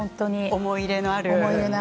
思い入れがある。